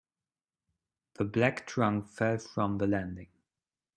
The black trunk fell from the landing.